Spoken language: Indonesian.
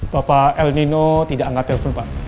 bapak el nino tidak angkat telpon pak